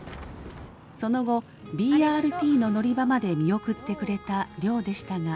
その後ＢＲＴの乗り場まで見送ってくれた亮でしたが。